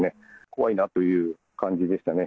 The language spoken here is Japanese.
怖いなという感じでしたね。